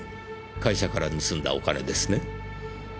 会社から盗んだお金ですね？